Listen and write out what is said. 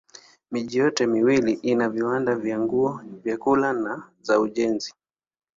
Miji yote miwili ina viwanda vya nguo, vyakula na za ujenzi.